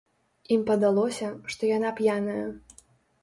Ім падалося, што яна п'яная.